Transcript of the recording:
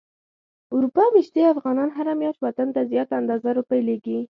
اروپا ميشتي افغانان هره مياشت وطن ته زياته اندازه روپی ليږي.